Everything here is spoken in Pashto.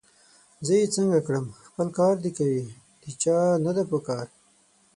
زه یې څنګه کړم! خپل کار دي کوي، د چا نه ده پکار